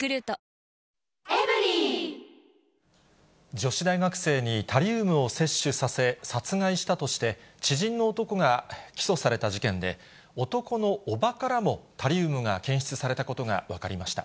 女子大学生にタリウムを摂取させ、殺害したとして、知人の男が起訴された事件で、男の叔母からもタリウムが検出されたことが分かりました。